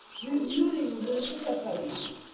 ვიოლინო უძველესი საკრავია.